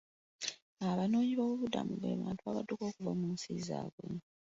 Abanoonyiboobubudamu be bantu abadduka okuva mu nsi zaabwe..